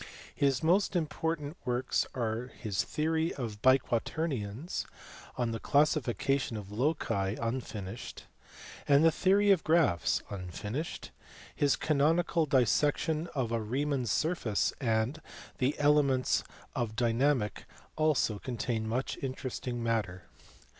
His most important works are his Theory of Biquaternions, On the Classification of Loci (unfinished), and The Theory of Graphs (unfinished) : his Canonical Dissection of a Riemann s Surface, and the Elements of Dynamic also contain much interesting matter.